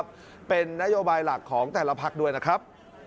พลังงานสะอาดนะครับเป็นนโยบายหลักของแต่ละภักด์ด้วยนะครับ